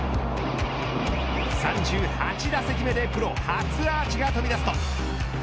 ３８打席目でプロ初アーチが飛び出すと。